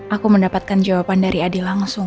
aku mendapatkan jawaban dari adi langsung